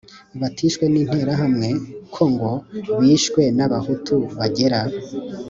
batishwe n'Interahamwe, ko ngo bishwe n'Abahutu bagera.